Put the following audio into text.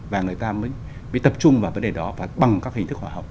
và người ta mới tập trung vào vấn đề đó và bằng các hình thức hóa học